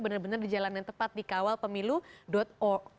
benar benar di jalanan tepat di kawalpemilu org